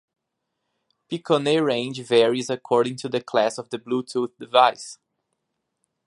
Piconet range varies according to the class of the Bluetooth device.